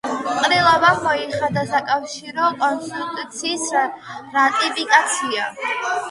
ყრილობამ მოახდინა საკავშირო კონსტიტუციის რატიფიკაცია.